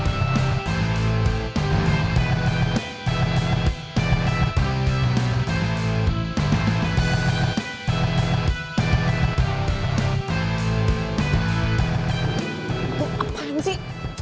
aduh apaan sih